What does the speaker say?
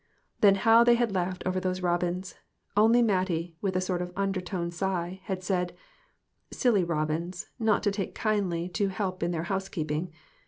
Then how they had laughed over those robins ! Only Mattie, with a sort of undertone sigh, had said "Silly robins, not to take kindly to help in their housekeeping."